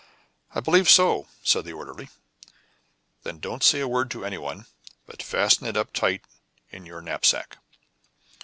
"I believe so," said the orderly. "Then don't say a word to anyone, but fasten it up tight in your knapsack."